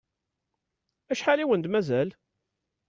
Acḥal i wen-d-mazal?